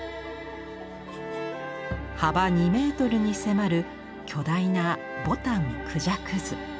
幅２メートルに迫る巨大な「牡丹孔雀図」。